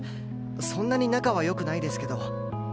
そんなに仲は良くないですけど。